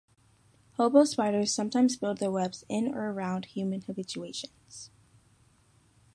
Hobo spiders sometimes build their webs in or around human habitations.